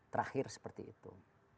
terakhir seperti itu